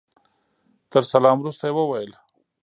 تر سلام وروسته يې وويل.